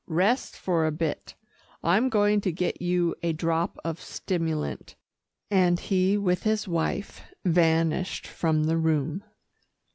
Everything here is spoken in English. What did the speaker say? Rest for a bit. I'm going to get you a drop of stimulant," and he with his wife vanished from the room.